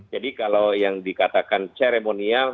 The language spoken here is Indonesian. jadi kalau yang dikatakan seremonial